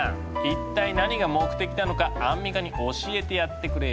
一体何が目的なのかアンミカに教えてやってくれ。